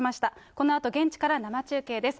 このあと現地から生中継です。